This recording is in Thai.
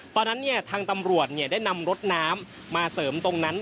ตอนนั้นทางตำรวจได้นำรถน้ำมาเสริมตรงนั้น